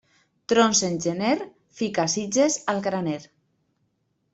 Trons en gener, fica sitges al graner.